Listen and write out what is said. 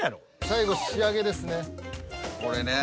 最後仕上げですね。